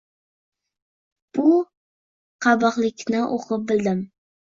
Bu qabihlikni o’qib bildim.